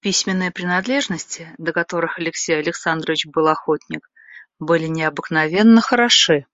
Письменные принадлежности, до которых Алексей Александрович был охотник, были необыкновенно хороши.